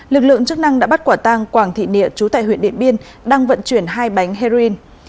lực lượng chức năng đã bắt quả tang quảng thị địa chú tại huyện điện biên đang vận chuyển hai bánh heroin